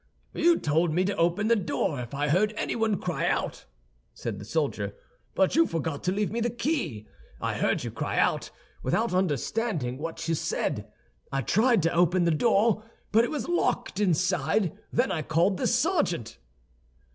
"You told me to open the door if I heard anyone cry out," said the soldier; "but you forgot to leave me the key. I heard you cry out, without understanding what you said. I tried to open the door, but it was locked inside; then I called the sergeant."